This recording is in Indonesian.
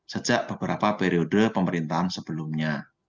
sejak beberapa periode pemerintahan sebelumnya